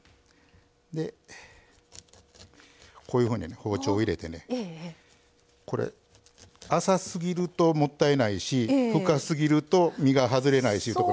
こういうふうに包丁入れて浅すぎると、もったいないし深すぎると実が外れないし。